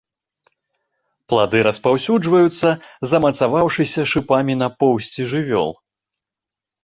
Плады распаўсюджваюцца, замацаваўшыся шыпамі на поўсці жывёл.